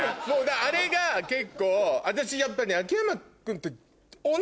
あれが結構私やっぱね。